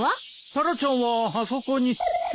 タラちゃんはあそこに。